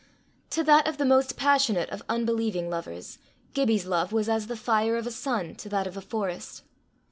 To that of the most passionate of unbelieving lovers, Gibbie's love was as the fire of a sun to that of a forest.